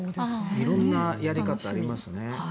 色んなやり方がありますね。